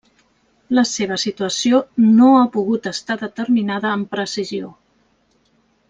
La seva situació no ha pogut estar determinada amb precisió.